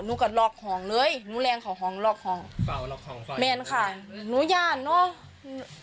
นูก็หลอกห่องเลยนูแรงเขาห่องหลอกห่องหลอกห่องแม่นค่ะนูย่านเนอะ